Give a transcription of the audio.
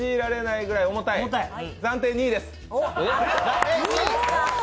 暫定２位です。